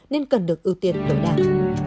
nên cần được ưu tiên đổi đạt